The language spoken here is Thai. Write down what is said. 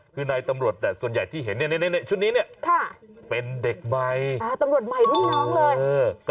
เขาก็ระดมตำรวจชุดควบคลุมผู้ขุมชนเหมือนกัน